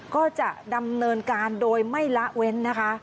ก็จะดำเนินการโดยไม่ละเว้นนะคะ